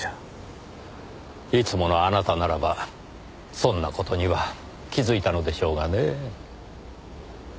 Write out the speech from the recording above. いつものあなたならばそんな事には気づいたのでしょうがねぇ。